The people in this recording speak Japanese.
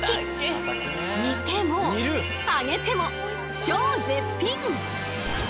煮ても揚げても超絶品！